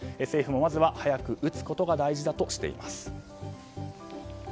政府もまずは早く打つことが大事だとしています。